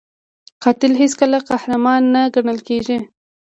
قاتل هیڅکله قهرمان نه ګڼل کېږي